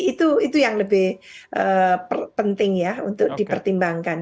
itu yang lebih penting ya untuk dipertimbangkan